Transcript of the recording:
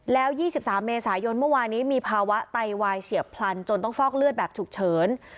แล้ว๒๓เมษายนเมื่อวานนี้มีภาวะไตวายเฉียบพลันจนต้องฟอกเลือดแบบฉุกเฉิน